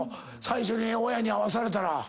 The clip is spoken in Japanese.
最初に親に会わされたら。